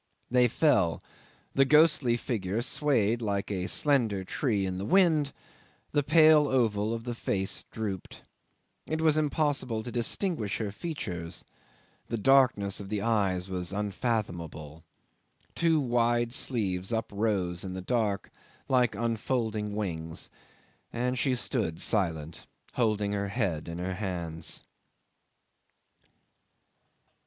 They fell; the ghostly figure swayed like a slender tree in the wind, the pale oval of the face drooped; it was impossible to distinguish her features, the darkness of the eyes was unfathomable; two wide sleeves uprose in the dark like unfolding wings, and she stood silent, holding her head in her hands.